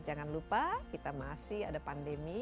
jangan lupa kita masih ada pandemi